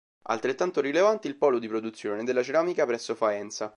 Altrettanto rilevante il polo di produzione della ceramica presso Faenza.